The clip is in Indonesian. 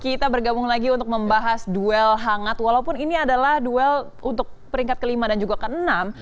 kita bergabung lagi untuk membahas duel hangat walaupun ini adalah duel untuk peringkat kelima dan juga ke enam